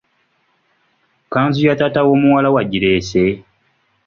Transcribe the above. Ekkanzu ya taata w’omuwala wagireese?